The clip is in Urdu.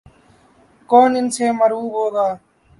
کون ان سے مرعوب ہوگا۔